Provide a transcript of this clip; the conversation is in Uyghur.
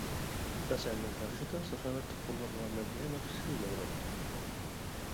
ئەسەرنىڭ ھەقىقەتەن ساخاۋەتلىك قوللارغا مەدھىيە ناخشىسى ياڭراپتۇ.